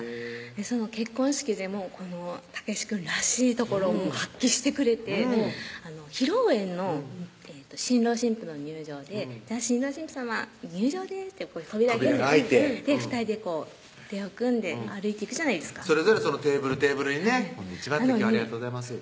その結婚式でもこの健くんらしいところを発揮してくれて披露宴の新郎新婦の入場で「新郎・新婦さま入場です」って扉が開いて２人でこう腕を組んで歩いていくじゃないですかそれぞれテーブル・テーブルにね「今日はありがとうございます」